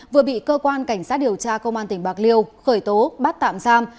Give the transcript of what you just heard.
vừa bị cơ quan cảnh sát điều tra công an tỉnh bạc liêu khởi tố bắt tạm giam